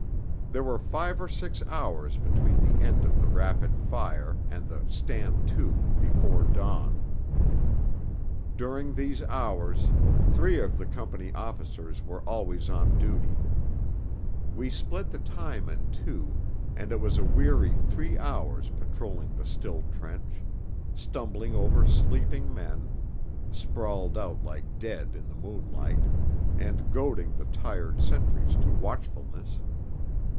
There were five or six hours between the end of the rapid fire and the 'Stand to' before dawn. During these hours three of the company officers were always on duty. We split the time in two, and it was a weary three hours patrolling the still trench, stumbling over sleeping men, sprawled out like dead in the moonlight, and goading the tired sentries to watchfulness.